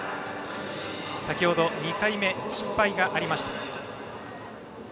先程２回目、失敗がありました。